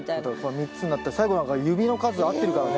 ３つになったり最後なんか指の数合ってるからね。